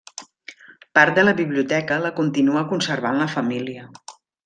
Part de la biblioteca la continua conservant la família.